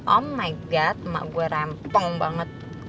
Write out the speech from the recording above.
oh my god emak gue rempeng banget